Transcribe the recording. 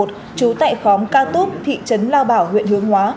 trú tại khóm ca túc thị trấn lao bảo huyện hướng hóa